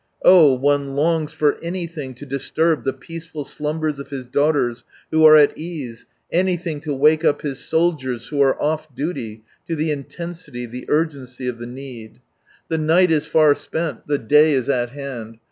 Oh, one longs for anything to disturb the peaceful slumbers of His daughters who are at ease, any thing to waken up His soldiers who are off duty, to the intensity, the urgency of the need. The night is far spent, the day is at hand.